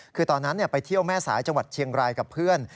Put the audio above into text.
คือตอนนั้นไปเที่ยวแม่สายจังหวัดเชียงรายกับเพื่อน